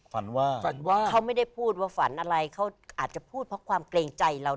ฝันว่าฝันว่าเขาไม่ได้พูดว่าฝันอะไรเขาอาจจะพูดเพราะความเกรงใจเรา